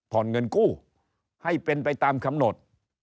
เงินกู้ให้เป็นไปตามกำหนด